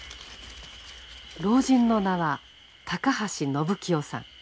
老人の名は高橋延清さん。